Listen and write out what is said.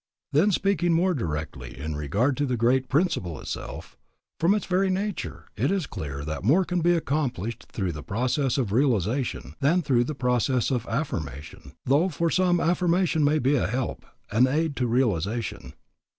Then speaking more directly in regard to the great principle itself, from its very nature, it is clear that more can be accomplished through the process of realization than through the process of affirmation, though for some affirmation may be a help, an aid to realization.